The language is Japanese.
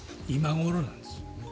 今頃なんですよ。